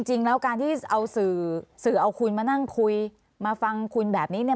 จริงแล้วการที่เอาสื่อเอาคุณมานั่งคุยมาฟังคุณแบบนี้เนี่ย